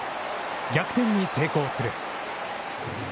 逆転に成功する。